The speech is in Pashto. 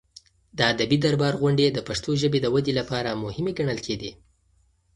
د ادبي دربار غونډې د پښتو ژبې د ودې لپاره مهمې ګڼل کېدې.